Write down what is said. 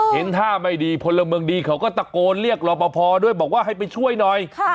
เห็นท่าไม่ดีพลเมืองดีเขาก็ตะโกนเรียกรอปภด้วยบอกว่าให้ไปช่วยหน่อย